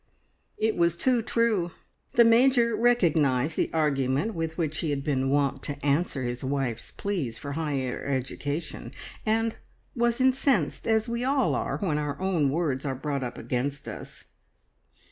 It was too true. The Major recognised the argument with which he had been wont to answer his wife's pleas for higher education, and was incensed, as we all are when our own words are brought up against us.